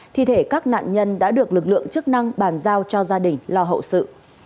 thi thể các nạn nhân đã được lực lượng chức năng bàn giao cho gia đình lo hậu sự